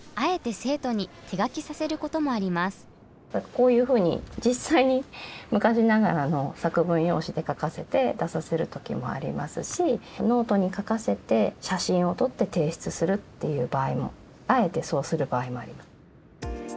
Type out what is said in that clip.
こういうふうに実際に昔ながらの作文用紙で書かせて出させる時もありますしノートに書かせて写真を撮って提出するっていう場合もあえてそうする場合もあります。